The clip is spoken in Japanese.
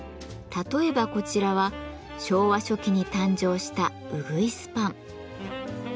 例えばこちらは昭和初期に誕生したうぐいすパン。